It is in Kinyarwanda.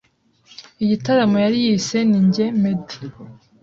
igitaramo yari yise Nijye Meddy